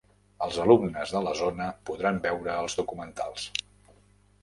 Els alumnes de la zona podran veure els documentals.